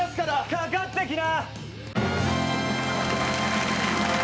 かかってきな。